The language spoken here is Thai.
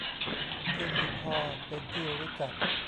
ที่มีพอเป็นที่รู้จัก